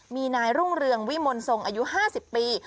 มีนายรุ่งเรืองวิมลทรงอายุ๕๐ปี